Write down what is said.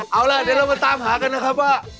เอาล่ะเดี๋ยวเรามาตามหากันนะครับว่า